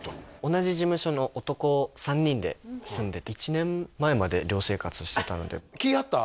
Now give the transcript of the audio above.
同じ事務所の男３人で住んでて１年前まで寮生活してたので気合った？